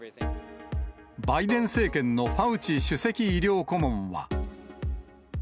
バイデン政権のファウチ首席医療顧問は。